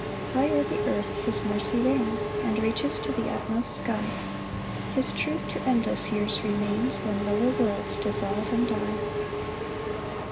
5 High o'er the earth his mercy reigns, And reaches to the utmost sky; His truth to endless years remains, When lower worlds dissolve and die.